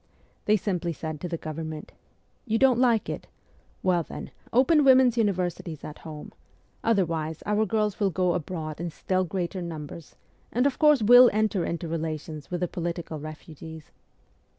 They simply said to the Government, ' You don't like it ? "Well, then, open women's universities at home ; otherwise our girls will go abroad in still greater numbers, and of course will enter into relations with the political refugees.'